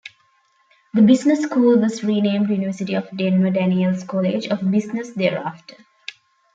The business school was renamed University of Denver Daniels College of Business thereafter.